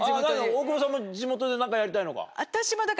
大久保さんも地元で何かやりたいのか？